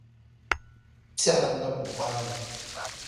Tɛha na bi gbaa’ ma.